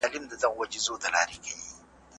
زه هره ورځ زدکړه کوم!!